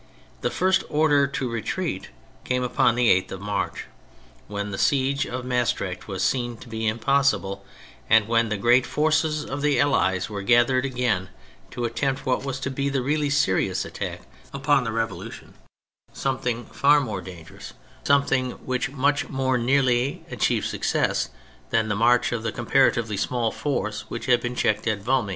The first order to retreat came upon the 8th of March, when the siege of Maestricht was seen to be impossible, and when the great forces of the Allies were gathered again to attempt what was to be the really serious attack upon the Revolution : THE MILITARY ASPECT 169 something far more dangerous, something which much more nearly achieved success, than the march of the comparatively small force which had been checked at Valmy.